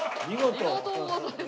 ありがとうございます。